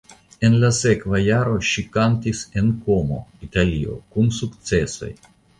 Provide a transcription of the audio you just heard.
En la sekva jaro ŝi kantis en Komo (Italio) kun sukcesoj.